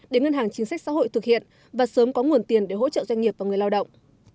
để ngân hàng chính sách xã hội thực hiện và sớm có nguồn tiền để hỗ trợ doanh nghiệp và người lao động